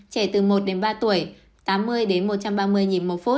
trẻ từ một đến ba tuổi tám mươi một trăm ba mươi nhịp một phút